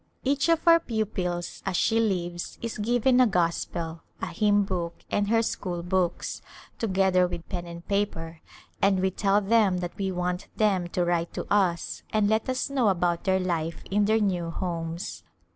Each of our pupils as she leaves is given a Gospel, a hymn book and her school books, together with pen and paper, and we tell them that we want them to write to us and let us know about their life in their new homes.